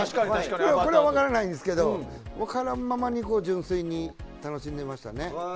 それは分からないんですけど分からないままに純粋に楽しんでいました。